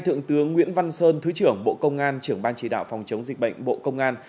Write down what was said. thượng tướng nguyễn văn sơn thứ trưởng bộ công an trưởng ban chỉ đạo phòng chống dịch bệnh bộ công an